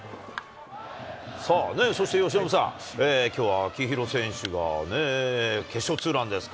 そして由伸さん、きょうは秋広選手が決勝ツーランですか。